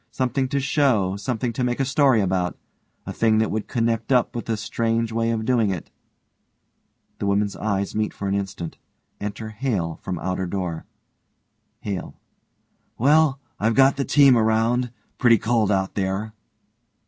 Something to show something to make a story about a thing that would connect up with this strange way of doing it (The women's eyes meet for an instant. Enter HALE from outer door.) HALE: Well, I've got the team around. Pretty cold out there.